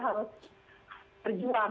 saya ingin berjuang